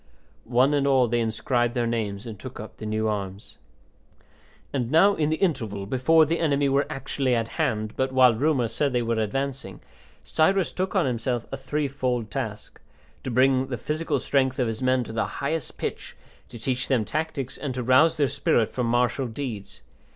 One and all they inscribed their names and took up the new arms. And now in the interval, before the enemy were actually at hand, but while rumour said they were advancing, Cyrus took on himself a three fold task: to bring the physical strength of his men to the highest pitch, to teach them tactics, and to rouse their spirit for martial deeds.